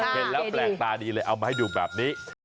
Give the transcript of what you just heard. เห็นแล้วแปลกตาดีเลยเอามาให้ดูแบบนี้